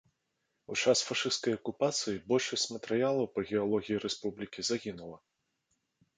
У час фашысцкай акупацыі большасць матэрыялаў па геалогіі рэспублікі загінула.